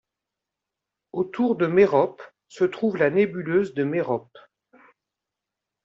Autour de Mérope se trouve la nébuleuse de Mérope.